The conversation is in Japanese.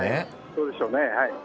そうでしょうね。